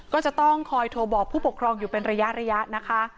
ก็จะต้องคอยโทรบอกผู้ปกครองอยู่เป็นระยะนะคะ